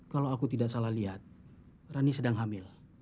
kalau aku tidak salah lihat rani sedang hamil